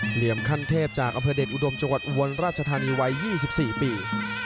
เหลี่ยมขั้นเทพจากอำเภอเดชอุดมจังหวัดอุบลราชธานีวัย๒๔ปี